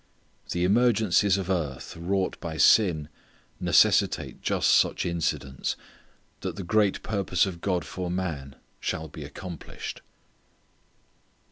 The emergencies of earth wrought by sin necessitate just such incidents, that the great purpose of God for man shall be accomplished.